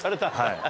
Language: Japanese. はい。